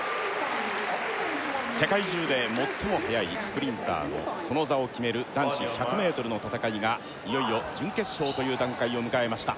世界中で最も速いスプリンターのその座を決める男子１００ｍの戦いがいよいよ準決勝という段階を迎えました